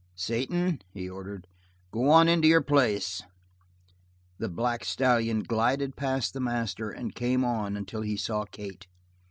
"Satan," he ordered, "go on in to your place." The black stallion glided past the master and came on until he saw Kate.